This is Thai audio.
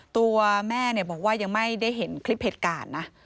ตัวแม่บอกว่ายังไม่ได้เห็นคลิปเหตุการณ์นะ